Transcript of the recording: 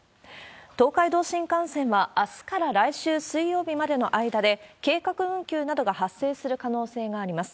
東海道新幹線は、あすから来週水曜日までの間で、計画運休などが発生する可能性があります。